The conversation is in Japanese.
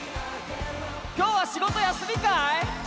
きょうは仕事休みかい？